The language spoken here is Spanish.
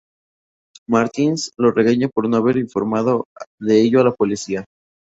Martins lo regaña por no haber informado de ello a la policía.